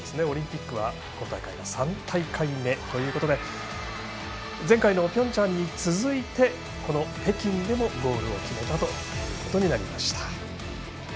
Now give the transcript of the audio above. オリンピックは今大会で３大会目ということで前回のピョンチャンに続いてこの北京でもゴールを決めたということになりました。